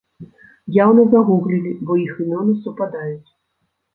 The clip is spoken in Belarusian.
Яўна загуглілі, бо іх імёны супадаюць!